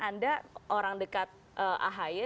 anda orang dekat ahaye